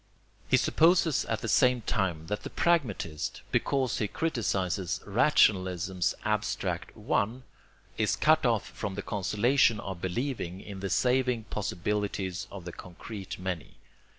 He supposes at the same time that the pragmatist, because he criticizes rationalism's abstract One, is cut off from the consolation of believing in the saving possibilities of the concrete many.